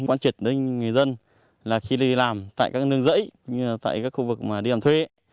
quan trị đến người dân là khi đi làm tại các nương rẫy tại các khu vực mà đi làm thuê